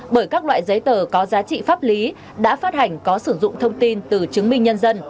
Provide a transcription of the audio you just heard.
bởi các loại giấy tờ có giá trị pháp lý đã phát hành có sử dụng thông tin từ chứng minh nhân dân